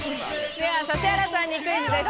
では指原さんにクイズです。